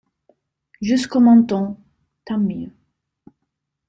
Jusqu’au menton… tant mieux !